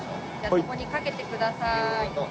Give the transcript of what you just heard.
そこにかけてください。